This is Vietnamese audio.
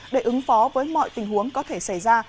để ứng phó với mọi tình huống có thể xảy ra